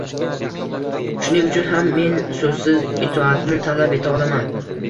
Shuning uchun ham men so‘zsiz itoatni talab eta olaman